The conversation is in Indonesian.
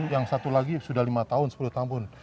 yang satu lagi sudah lima tahun sepuluh tahun